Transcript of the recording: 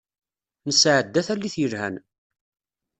Nesεedda tallit yelhan.